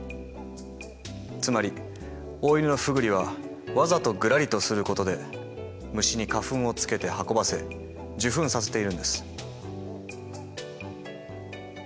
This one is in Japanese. つまりオオイヌノフグリはわざとグラリとすることで虫に花粉をつけて運ばせ受粉させているんです。